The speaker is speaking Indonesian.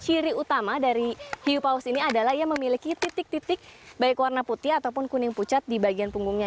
ciri utama dari hiu paus ini adalah ia memiliki titik titik baik warna putih ataupun kuning pucat di bagian punggungnya